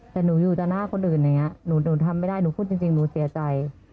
แต่หนูอยู่ต่อหน้าคนอื่นอย่างนี้หนูทำไม่ได้หนูพูดจริงหนูเสียใจ